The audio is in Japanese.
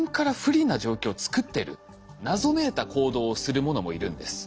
謎めいた行動をするものもいるんです。